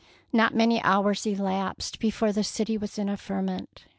Not many hours elapsed before the city was in a ferment.